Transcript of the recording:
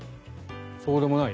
そうでもない？